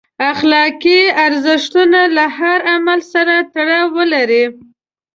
اخلاقي ارزښتونه له هر عمل سره تړاو ولري.